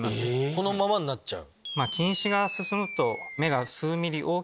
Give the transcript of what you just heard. このままになっちゃう？